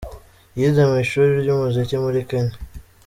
Yize mu ishuri ry’umuziki muri Kenya.